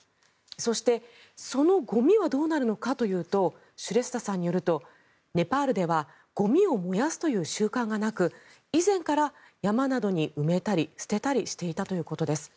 そして、そのゴミはどうなるのかというとシュレスタさんによるとネパールではゴミを燃やすという習慣がなく以前から、山などに埋めたり捨てたりしていたということです。